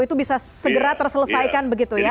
itu bisa segera terselesaikan begitu ya